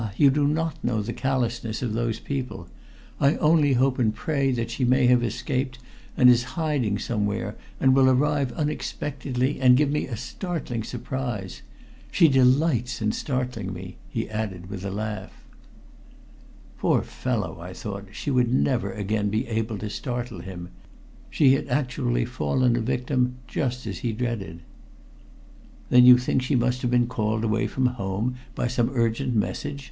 you do not know the callousness of those people. I only hope and pray that she may have escaped and is in hiding somewhere, and will arrive unexpectedly and give me a startling surprise. She delights in startling me," he added with a laugh. Poor fellow, I thought, she would never again be able to startle him. She had actually fallen a victim just as he dreaded. "Then you think she must have been called away from home by some urgent message?"